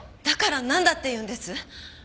だからなんだっていうんです？